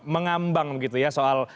mengambang gitu ya soal